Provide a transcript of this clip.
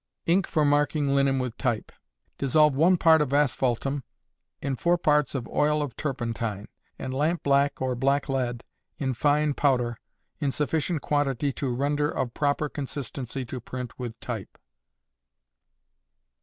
Ink for Marking Linen with Type. Dissolve one part of asphaltum in four parts of oil of turpentine, and lamp black or black lead, in fine powder, in sufficient quantity to render of proper consistency to print with type.